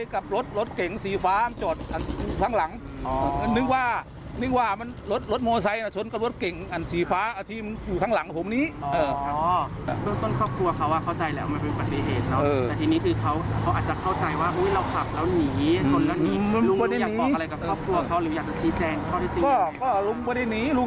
กับครอบครัวของเขาหรืออยากจะชี้แจ้งข้อจริง